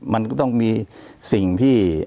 มันก็ต้องมีสิ่งที่